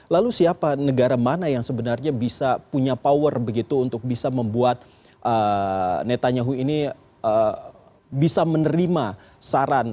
lalu siapa negara mana yang sebenarnya bisa punya power begitu untuk bisa membuat netanyahu ini bisa menerima saran